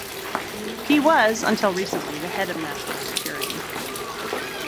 He was, until recently, the head of national security.